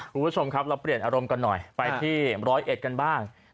คุณผู้ชมครับเราเปลี่ยนอารมณ์กันหน่อยไปที่ร้อยเอ็ดกันบ้าง